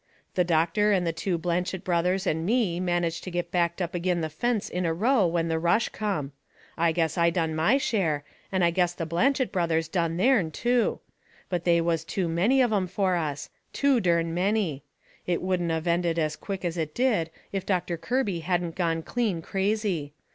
The doctor and the two Blanchet brothers and me managed to get backed up agin the fence in a row when the rush come. I guess I done my share, and I guess the Blanchet brothers done theirn, too. But they was too many of 'em for us too dern many. It wouldn't of ended as quick as it did if Doctor Kirby hadn't gone clean crazy.